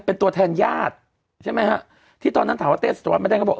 เป็นตัวแทนญาติใช่ไหมฮะที่ตอนนั้นถามว่าเต้สตวรรษไม่ได้ก็บอก